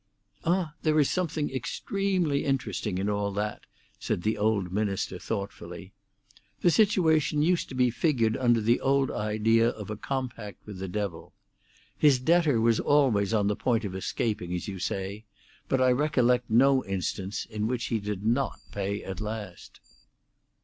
"Ah, there is something extremely interesting in all that," said the old minister thoughtfully. "The situation used to be figured under the old idea of a compact with the devil. His debtor was always on the point of escaping, as you say, but I recollect no instance in which he did not pay at last.